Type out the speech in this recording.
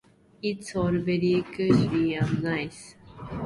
It's all very cushy and nice.